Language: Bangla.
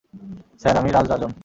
স্যার, আমি রাজ রাজন।